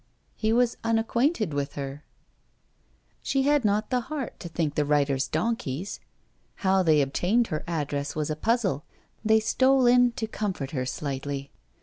He was unacquainted with her! She had not the heart to think the writers donkeys. How they obtained her address was a puzzle; they stole in to comfort her slightly.